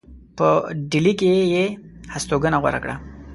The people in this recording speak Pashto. په ډهلي کې یې هستوګنه غوره کړه.